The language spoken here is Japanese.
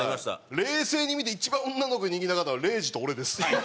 冷静に見て一番女の子に人気なかったのは礼二と俺です。